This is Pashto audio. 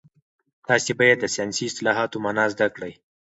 تاسي باید د ساینسي اصطلاحاتو مانا زده کړئ.